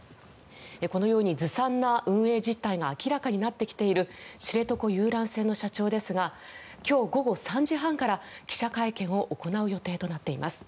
このように、ずさんな運営実態が明らかになってきている知床遊覧船の社長ですが今日午後３時半から記者会見を行う予定となっています。